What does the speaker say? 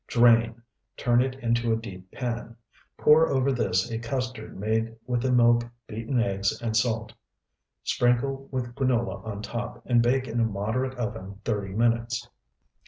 Drain, turn it into a deep pan. Pour over this a custard made with the milk, beaten eggs, and salt. Sprinkle with granola on top, and bake in a moderate oven thirty minutes.